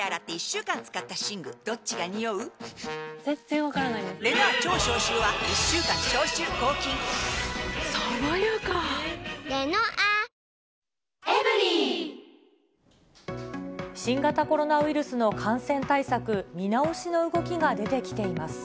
手袋をするのはお客様の任意新型コロナウイルスの感染対策見直しの動きが出てきています。